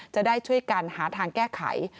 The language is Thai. จะได้ช่วยกันหาทางแก้ไข